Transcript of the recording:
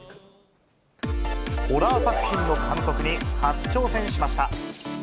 ホラー作品の監督に初挑戦しました。